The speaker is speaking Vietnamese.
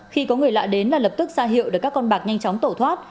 khi có người lạ đến là lập tức ra hiệu để các con bạc nhanh chóng tổ thoát